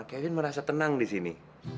kevin merasa tenang disini